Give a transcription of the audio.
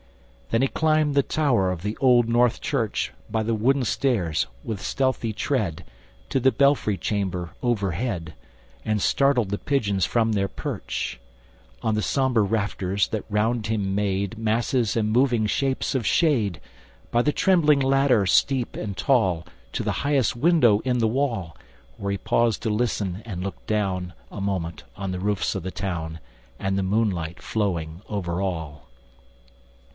Then he climbed the tower of the Old North Church, By the wooden stairs, with stealthy tread, To the belfry chamber overhead, And startled the pigeons from their perch On the sombre rafters, that round him made Masses and moving shapes of shade, ŌĆö By the trembling ladder, steep and tall To the highest window in the wall, Where he paused to listen and look down A moment on the roofs of the town, And the moonlight flowing over all.